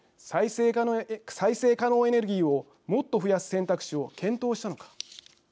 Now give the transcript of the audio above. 再生可能エネルギーを、もっと増やす選択肢を検討したのか。